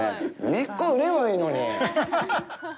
根っこ、売ればいいのに。